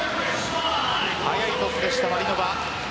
速いトスでした、マリノバ。